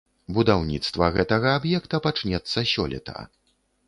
Будаўніцтва гэтага аб'екта пачнецца сёлета.